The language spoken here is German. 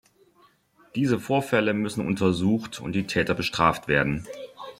Diese Vorfälle müssen untersucht und die Täter bestraft werden.